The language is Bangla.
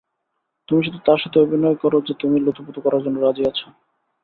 তুমি শুধু তার সাথে অভিনয় করো যে তুমি লুতুপুতু করার জন্য রাজি আছো।